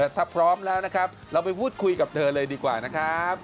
ถ้าพร้อมแล้วนะครับเราไปพูดคุยกับเธอเลยดีกว่านะครับ